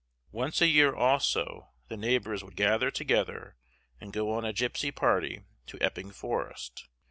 Once a year also the neighbors would gather together and go on a gypsy party to Epping Forest.